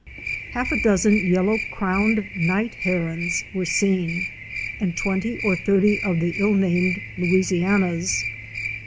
Half a dozen Yellow crowned Night Herons * were seen and twenty or thirty of the illnamed Louisianas.